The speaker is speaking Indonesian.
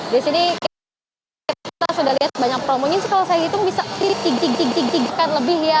di sini kita sudah lihat banyak promonya sih kalau saya hitung bisa pilih tiga kali lebih ya